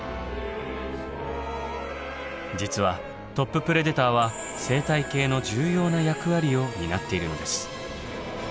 実はトッププレデターは生態系の重要な役割を担っているのです。